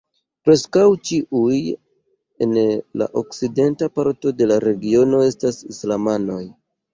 Preskaŭ ĉiuj en la okcidenta parto de la regiono estas islamanoj.